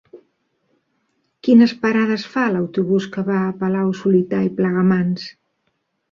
Quines parades fa l'autobús que va a Palau-solità i Plegamans?